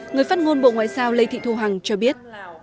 người phát ngôn bộ ngoại giao lê thị thu hằng cho biết